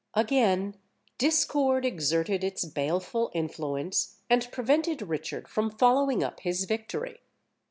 Again discord exerted its baleful influence, and prevented Richard from following up his victory.